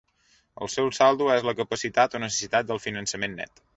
El seu saldo és la capacitat o necessitat de finançament net.